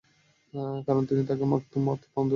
কারণ তিনি তাকে মাকতুম অর্থাৎ অন্ধ জন্ম দিয়েছেন।